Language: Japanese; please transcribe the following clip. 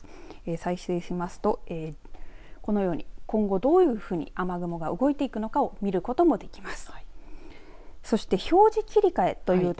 再生しますとこのように今後どういうふうに雨雲が動いていくのかを見ることもできます。